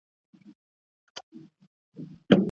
د واجباتو د پيژندلو لپاره علم حاصل کړئ.